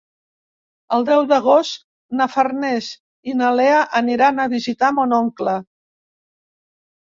El deu d'agost na Farners i na Lea aniran a visitar mon oncle.